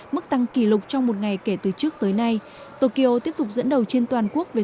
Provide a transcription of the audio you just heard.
mức tăng kỷ lục trong một ngày kể từ trước tới nay tokyo tiếp tục dẫn đầu trên toàn quốc về